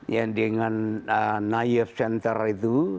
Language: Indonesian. yang dengan naif center itu